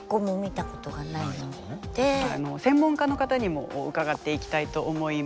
専門家の方にも伺っていきたいと思います。